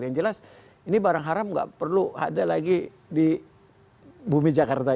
yang jelas ini barang haram nggak perlu ada lagi di bumi jakarta